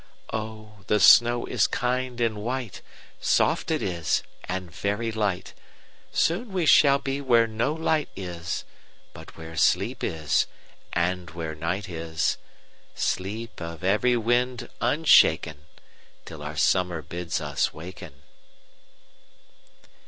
Oh, the snow is kind and white,—Soft it is, and very light; Soon we shall be where no light is, But where sleep is, and where night is,—Sleep of every wind unshaken, Till our Summer bids us waken."